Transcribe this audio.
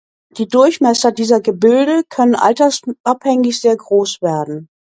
Die Durchmesser dieser Gebilde können altersabhängig sehr groß werden.